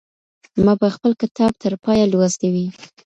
ما به خپل کتاب تر پایه لوستی وي.